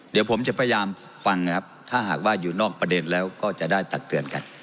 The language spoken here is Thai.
เดี๋ยวผมจะพยายามฟังนะครับถ้าหากว่าอยู่นอกประเด็นแล้วก็จะได้ตักเตือนกัน